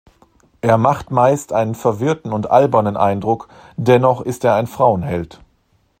Er macht meist einen verwirrten und albernen Eindruck, dennoch ist er ein Frauenheld.